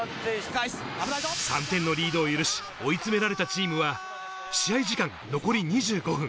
３点のリード許し、追い詰められたチームは試合時間、残り２５分。